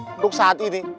untuk saat ini